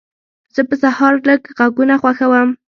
زه په سهار لږ غږونه خوښوم.